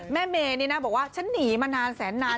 แม่เมนี่นะบอกว่าฉันหนีมานานแสนนาน